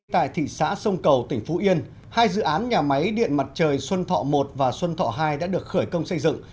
tại thị xã sông cầu tỉnh phú yên hai dự án nhà máy điện mặt trời xuân thọ một và xuân thọ hai đã được khởi công xây dựng